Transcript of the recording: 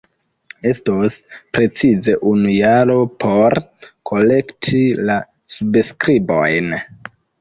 Estos precize unu jaro por kolekti la subskribojn.